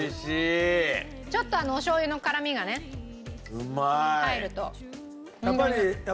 ちょっとお醤油の辛みがね入ると。